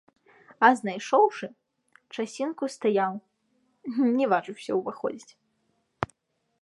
А знайшоўшы, часінку стаяў, не важыўся ўваходзіць.